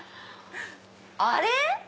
あれ？